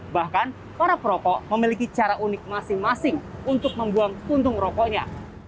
bahkan para perokok memiliki cara unik masing masing untuk membuang puntung rokoknya